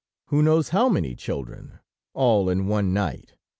Who knows how many children, all in one night!